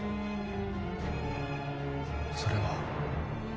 それは？